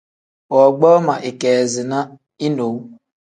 Woogboo ma ikeezina inewu.